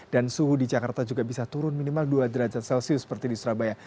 dan suhu di jakarta juga bisa turun minimal dua derajat celcius seperti di surabaya